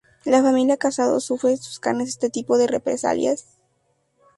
La familia Casado sufre en sus carnes este tipo de represalias.